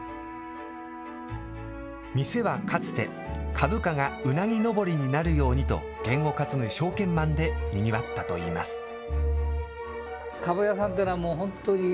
店はかつて株価がうなぎ登りになるようにと験を担ぐ証券マンでにぎわったといいます。